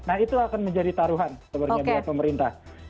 nah itu akan menjadi taruhan sebenarnya buat pemerintah